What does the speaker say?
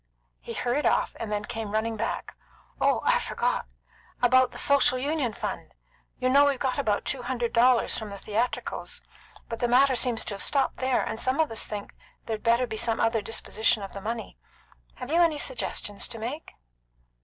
He hurried off, and then came running back. "Oh, I forgot! About the Social Union fund. You know we've got about two hundred dollars from the theatricals, but the matter seems to have stopped there, and some of us think there'd better be some other disposition of the money. Have you any suggestion to make?"